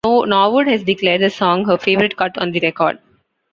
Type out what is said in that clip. Norwood has declared the song her favorite cut on the record.